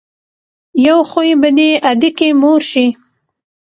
يو خوي به دې ادکې مور شي.